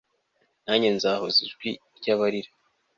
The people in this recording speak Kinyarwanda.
nanjye nzahoza ijwi ry'abarira